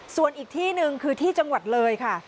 ส่วนอีกที่หนึ่งคือที่จังหวัดเลยค่ะ